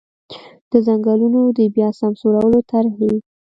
د ځنګلونو د بیا سمسورولو طرحې.